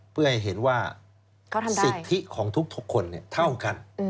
เพื่อให้เห็นว่าสิทธิของทุกคนเท่ากัน